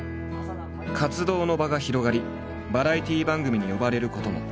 活動の場が広がりバラエティー番組に呼ばれることも。